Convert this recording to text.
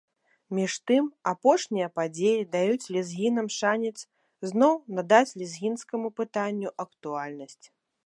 Між тым, апошнія падзеі даюць лезгінам шанец зноў надаць лезгінскаму пытанню актуальнасць.